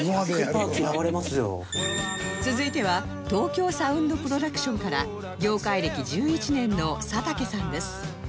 続いては東京サウンド・プロダクションから業界歴１１年の佐竹さんです